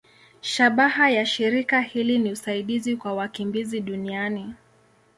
Shabaha ya shirika hili ni usaidizi kwa wakimbizi duniani.